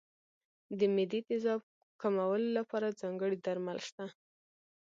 د معدې تېزاب کمولو لپاره ځانګړي درمل شته.